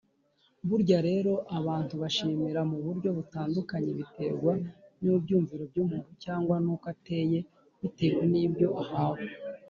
Burya rero abantu bashimira mu buryo butandukanye biterwa n’ibyumviro by’umuntu cyangwa nuko ateye bitewe nibyo ahawe.